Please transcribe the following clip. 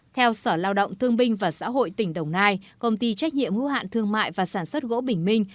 theo sở lao động thương binh và xã hội tỉnh đồng nai công ty trách nhiệm hữu hạn thương mại và sản xuất gỗ bình minh